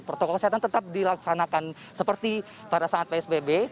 protokol kesehatan tetap dilaksanakan seperti pada saat psbb